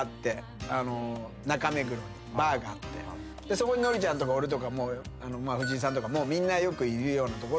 そこに憲ちゃんとか俺とか藤井さんとかみんなよくいるような所があって。